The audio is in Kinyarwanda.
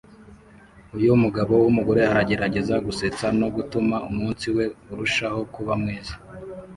Uyu mugabo wumugore aragerageza gusetsa no gutuma umunsi we urushaho kuba mwiza